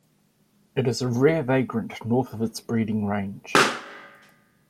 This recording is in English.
It is a rare vagrant north of its breeding range.